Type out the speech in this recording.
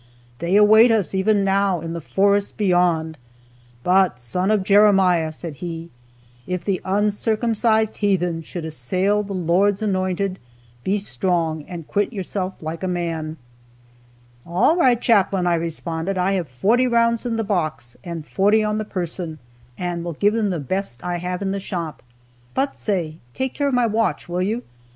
They await us, even now, in the forest beyond. But, Son of Jeremiah," said he, "if the uncircumcised heathen should assail the Lord's anointed, be strong, and quit yourself like a man!" "All right, Chaplain," I responded; "I have forty rounds in the box, and forty on the person, and will give them the best I have in the shop. But, say! Take care of my watch, will you?